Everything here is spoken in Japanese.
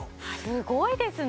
すごいですね